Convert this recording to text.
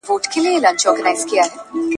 له مكتبه مي رهي كړله قمار ته